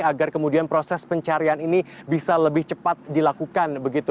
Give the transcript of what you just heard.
agar kemudian proses pencarian ini bisa lebih cepat dilakukan